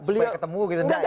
supaya ketemu gitu enggak ya